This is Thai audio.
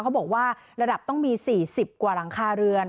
เขาบอกว่าระดับต้องมี๔๐กว่าหลังคาเรือน